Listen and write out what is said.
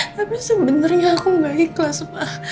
tapi sebenernya aku gak ikhlas pak